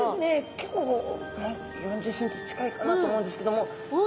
結構４０ｃｍ近いかなと思うんですけども。